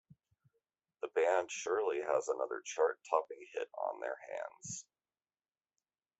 The band surely has another chart topping hit on their hands.